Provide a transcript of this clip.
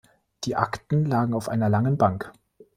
Die Akten lagen auf einer „Langen Bank“.